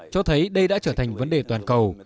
cho thấy đây đã trở thành vấn đề toàn cầu